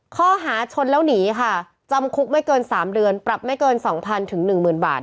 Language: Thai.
ข้อหาชนแล้วหนีค่ะจำคุกไม่เกิน๓เดือนปรับไม่เกิน๒๐๐๑๐๐๐บาท